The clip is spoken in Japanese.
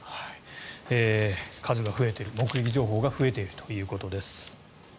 数が増えている目撃情報が増えているということです。